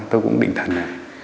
tôi cũng định thần